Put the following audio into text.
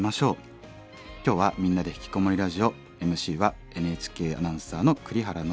今日は「みんなでひきこもりラジオ」ＭＣはＮＨＫアナウンサーの栗原望。